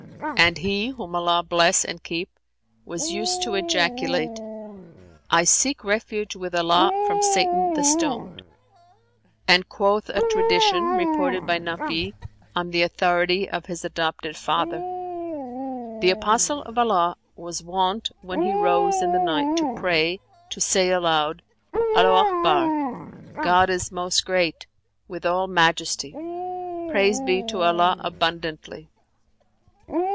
And he (whom Allah bless and keep!) was used to ejaculate, 'I seek refuge with Allah from Satan the Stoned.' And quoth a Tradition, reported by Naf'i on the authority of his adopted father, 'The apostle of Allah, was wont when he rose in the night to pray, to say aloud, 'Allaho Akbar'; God is Most Great, with all Majesty! Praise be to Allah abundantly!